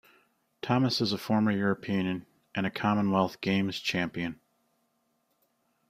Thomas is a former European and Commonwealth Games champion.